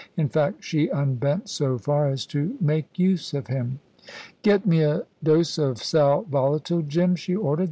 In fact, she unbent so far as to make use of him. "Get me a dose of sal volatile, Jim," she ordered.